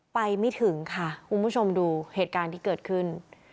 ไปไม่ถึงค่ะคุณผู้ชมดูเหตุการณ์ที่เกิดขึ้น